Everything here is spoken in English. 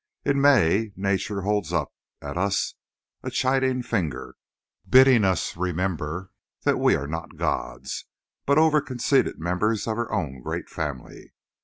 In May nature holds up at us a chiding finger, bidding us remember that we are not gods, but overconceited members of her own great family.